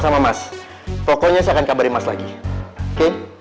sama mas pokoknya saya akan kabarin mas lagi oke